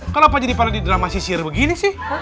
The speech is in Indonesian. kalo apa jadi pada di drama sisir begini sih